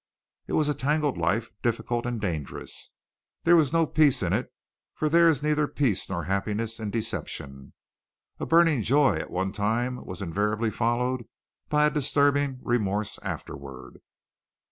It was a tangled life, difficult and dangerous. There was no peace in it, for there is neither peace nor happiness in deception. A burning joy at one time was invariably followed by a disturbing remorse afterward.